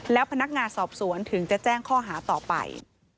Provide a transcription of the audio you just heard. แล้วพนักงานสอบสวนถึงจะแจ้งข้อหาต่อไป